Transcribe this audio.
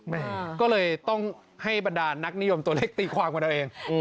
อ่าก็เลยต้องให้บรรดารนักนิยมตัวเลขตีฟันของเราเองอืม